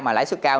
mà lãi suất cao